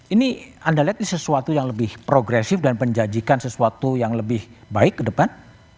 ini anda lihat ini sesuatu yang lebih progresif dan menjanjikan sesuatu yang lebih baik ke depan